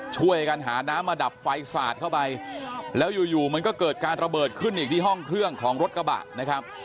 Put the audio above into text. ช่วยกันหาน้ำมาดับไฟสาดเข้าไปแล้วอยู่อยู่มันก็เกิดการระเบิดขึ้นอีกที่ห้องเครื่องของรถกระบะนะครับ